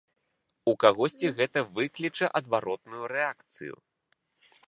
У кагосьці гэта выкліча адваротную рэакцыю.